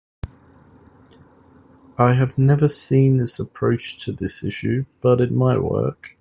I have never seen this approach to this issue, but it might work.